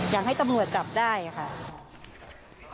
อยากให้ตำรวจจับได้ค่ะ